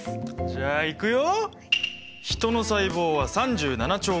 じゃあいくよ！